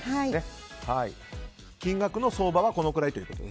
金額の相場はこのぐらいだと。